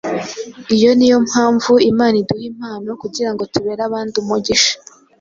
Iyo ni yo mpamvu Imana iduha impano kugira ngo tubere abandi umugisha.